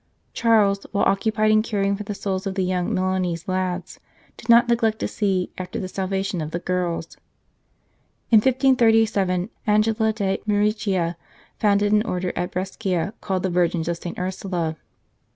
Charles, while occupied in caring for the souls of the young Milanese lads, did not neglect to see after the salvation of the girls. In 1537 Angela de Mericia founded an Order at Brescia called the Virgins of St. Ursula.